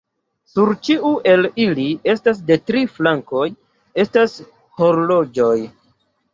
Sur ĉiu el ili estas de tri flankoj estas horloĝoj.